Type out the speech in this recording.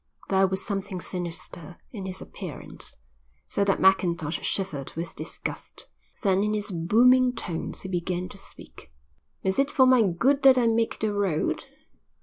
There was something sinister in his appearance, so that Mackintosh shivered with disgust. Then in his booming tones he began to speak. "Is it for my good that I make the road?